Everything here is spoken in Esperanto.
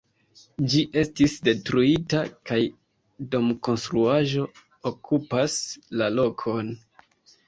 Ĝi estis detruita kaj domkonstruaĵo okupas la lokon.